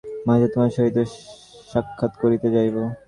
আমি যদি সময় পাই তো মাঝে মাঝে তোমার সহিত সাক্ষাৎ করিতে যাইব।